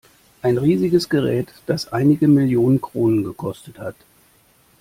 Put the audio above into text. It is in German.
Ein riesiges Gerät, das einige Millionen Kronen gekostet hat.